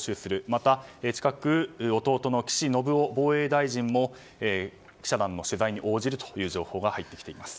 また、近く弟の岸信夫防衛大臣も記者団の取材に応じるという情報が入ってきています。